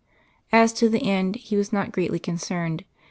_ As to the end he was not greatly concerned.